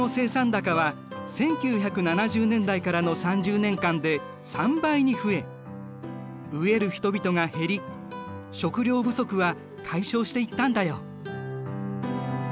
高は１９７０年代からの３０年間で３倍に増え飢える人々が減り食糧不足は解消していったんだよ。